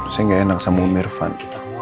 saya gak enak sama umir van